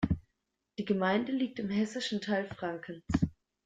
Die Gemeinde liegt im hessischen Teil Frankens.